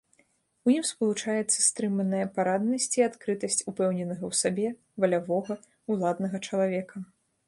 У ім спалучаецца стрыманая параднасць і адкрытасць упэўненага ў сабе, валявога, уладнага чалавека.